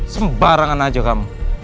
sembarangan aja kamu